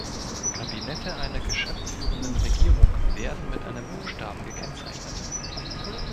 Kabinette einer geschäftsführenden Regierung werden mit einem Buchstaben gekennzeichnet.